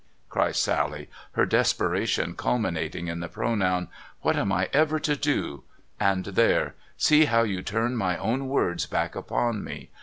cries Sally, her desperation culmina ting in the pronoun, ' what am I ever to do ? And there ! See how you turn my own words back upon me.